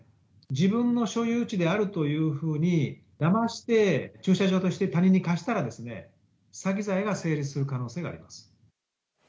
自分の所有地であるというふうにだまして駐車場として他人に貸したら詐欺罪が成立する可能性があります。